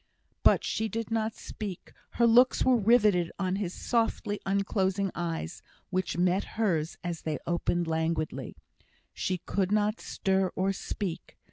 But she did not speak; her looks were riveted on his softly unclosing eyes, which met hers as they opened languidly. She could not stir or speak.